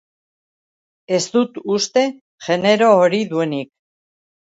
Ez dut uste genero hori duenik.